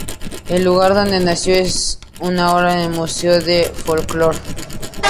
El lugar donde nació es ahora un Museo de Folklore.